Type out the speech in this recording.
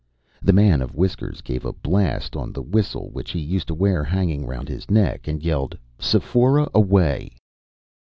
The man of whiskers gave a blast on the whistle which he used to wear hanging round his neck, and yelled, "Sephora's away!"